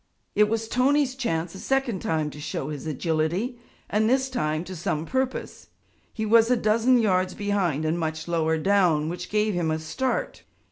It was Tony's chance a second time to show his agility and this time to some purpose. He was a dozen yards behind and much lower down, which gave him a start.